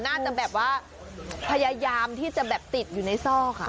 น่าจะแบบว่าพยายามที่จะแบบติดอยู่ในซอก